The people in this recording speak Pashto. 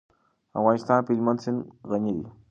افغانستان په هلمند سیند غني دی.